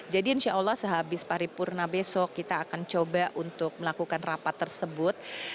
jadi insya allah sehabis pari purna besok kita akan coba untuk melakukan rapat tersebut